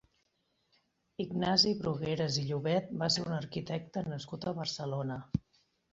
Ignasi Brugueras i Llobet va ser un arquitecte nascut a Barcelona.